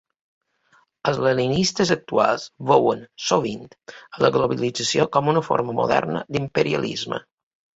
Els leninistes actuals veuen, sovint, a la globalització com una forma moderna d'imperialisme.